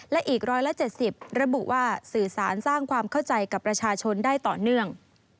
และอีก๑๗๐ระบุว่าสื่อสารสร้างความเข้าใจกับประชาชนได้ต่อเนื่อง